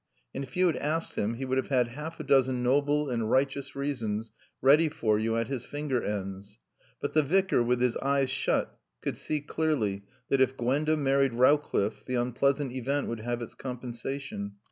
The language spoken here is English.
And if you had asked him he would have had half a dozen noble and righteous reasons ready for you at his finger ends. But the Vicar with his eyes shut could see clearly that if Gwenda married Rowcliffe the unpleasant event would have its compensation.